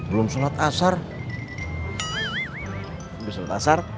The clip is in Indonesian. belum surat asar